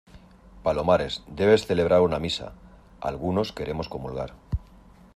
palomares, debes celebrar una misa. algunos queremos comulgar